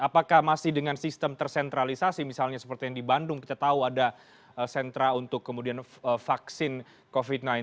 apakah masih dengan sistem tersentralisasi misalnya seperti yang di bandung kita tahu ada sentra untuk kemudian vaksin covid sembilan belas